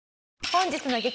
本日の激